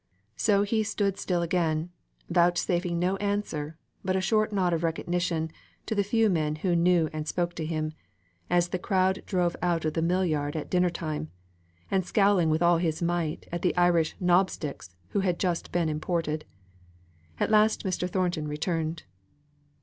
So he stood still again, vouchsafing no answer, but a short nod of recognition to the few men who knew and spoke to him, as the crowd drove out the millyard at dinner time, and scowling with all his might at the Irish "knobsticks" who had just been imported. At last Mr. Thornton returned.